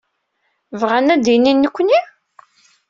Bɣan ad d-inin nekkni?